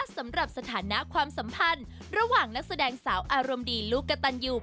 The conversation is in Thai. สำหรับสถานะความสัมพันธ์ระหว่างนักแสดงสาวอารมณ์ดีลูกกะตันยู